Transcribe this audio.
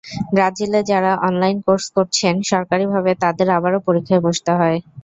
ব্রাজিলে যাঁরা অনলাইনে কোর্স করছেন, সরকারিভাবে তাঁদের আবারও পরীক্ষায় বসতে হয়।